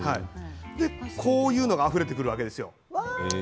こういうのがあふれてくるわけですよ。